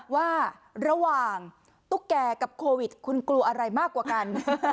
ว่าระหว่างตุ๊กแก่กับโควิดคุณกลัวอะไรมากกว่ากัน